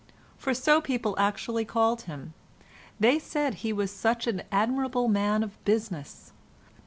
For so people actually called him. They said he was such an admirable man of business.